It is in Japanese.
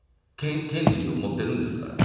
権利を持っているんですから。